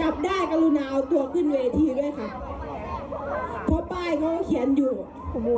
จับได้กรุณาเอาตัวขึ้นเวทีด้วยค่ะเพราะป้ายเขาก็เขียนอยู่โอ้โห